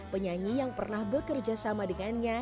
penyanyi yang pernah bekerja sama dengannya